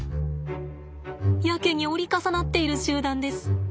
やけに折り重なっている集団です。